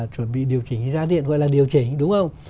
chuẩn bị điều chỉnh giá điện gọi là điều chỉnh đúng không